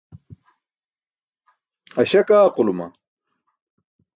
Aśak aaquluma.